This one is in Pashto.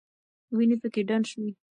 وینې پکې ډنډ شوې.